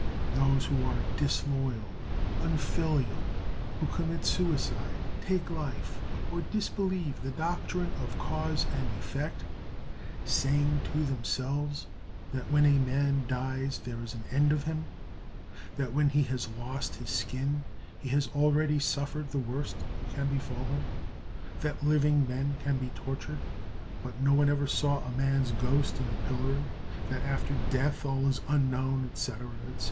Those who are disloyal, unfilial, who commit suicide, take life, or disbelieve the doctrine of Cause and Effect, saying to themselves that when a man dies there is an end of him, that when he has lost his skin he has already suffered the worst that can befall him, that living men can be tortured, but no one ever saw a man's ghost in the pillory, that after death all is unknown, etc., etc.